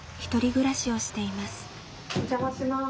お邪魔します。